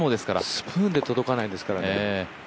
スプーンでも届かないんですから。